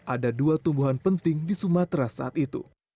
ada dua tumbuhan penting di sumatera saat itu